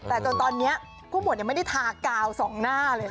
แต่จนตอนนี้ผู้หมวดยังไม่ได้ทากาวสองหน้าเลยนะ